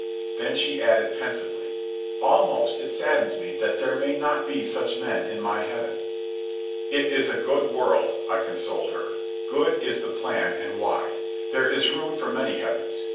Then she added pensively, "Almost it saddens me that there may not be such men in my heaven." "It is a good world," I consoled her. "Good is the plan and wide. There is room for many heavens.